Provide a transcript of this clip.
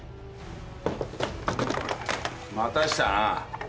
待たしたな。